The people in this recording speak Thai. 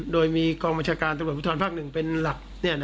โดยมีกองบัญชาการตรวจวิทธรรมภาคหนึ่งเป็นหลัก